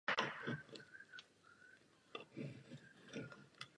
Nemá žádné významné přítoky.